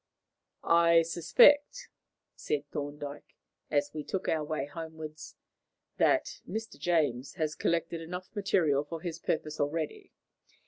"I suspect," said Thorndyke, as we took our way homewards, "that Mr. James has collected enough material for his purpose already.